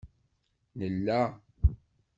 Nella